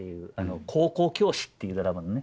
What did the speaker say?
「高校教師」っていうドラマのね。